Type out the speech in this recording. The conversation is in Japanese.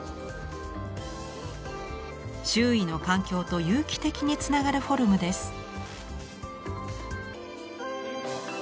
周囲の環境と有機的につながるフォルムです。